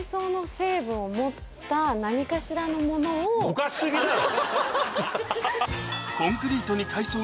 ぼかし過ぎだろ。